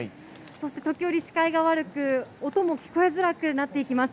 そして時折、視界が悪く、音も聞こえづらくなっていきます。